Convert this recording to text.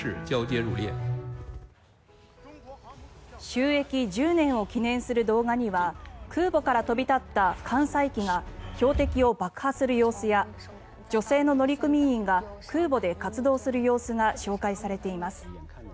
就役１０年を記念する動画には空母から飛び立った艦載機が標的を爆破する様子や女性の乗組員が空母で活動する様子が紹介されています。